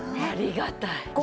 ありがたい。